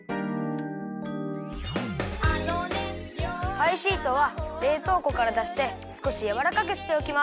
パイシートはれいとうこからだしてすこしやわらかくしておきます。